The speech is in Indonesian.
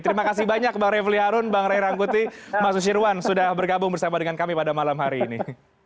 terima kasih banyak bang refli harun bang ray rangkuti mas susirwan sudah bergabung bersama dengan kami pada malam hari ini